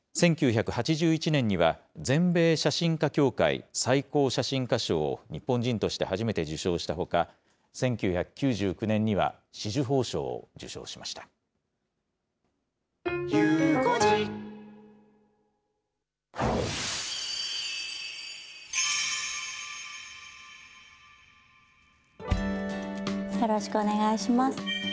１９８１年には全米写真家協会最高写真家賞を日本人として初めて受賞したほか、１９９９年には、よろしくお願いします。